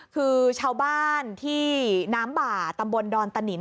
คือชาวบ้านที่น้ำบ่าตำบลดอนตะนิน